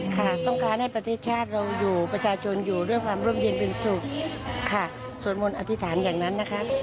ค่ะต้องการให้ประเทศชาติเราอยู่ประชาชนอยู่ด้วยความร่มเย็นเป็นสุขค่ะสวดมนต์อธิษฐานอย่างนั้นนะคะ